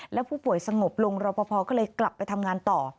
แล้วผู้ป่วยสงบลงรอปภก็เลยกลับไปทำงานต่อ